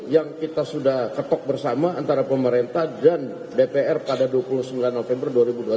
yang kita sudah ketok bersama antara pemerintah dan dpr pada dua puluh sembilan november dua ribu dua puluh